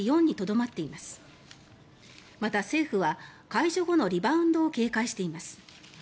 また、政府は解除後のリバウンドを警戒しています。